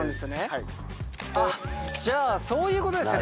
はいあっじゃあそういうことですね